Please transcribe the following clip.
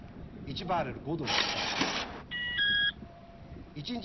１バーレル５ドルの損だ。